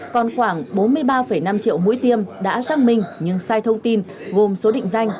còn khoảng bốn mươi ba năm triệu mũi tiêm đã xác minh nhưng sai thông tin gồm số định danh